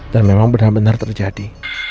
dan memang benar benar terjadi